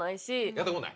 やったことない？